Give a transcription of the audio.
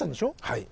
はい。